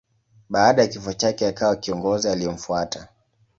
Baada ya kifo chake akawa kiongozi aliyemfuata.